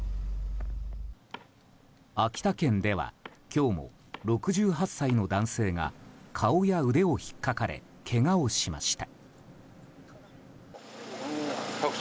秋田県では今日も６８歳の男性が顔や腕を引っかかれけがをしました。